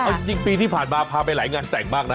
เอาจริงปีที่ผ่านมาพาไปหลายงานแต่งมากนะ